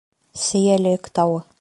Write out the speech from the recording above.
— Сейәлек тауы!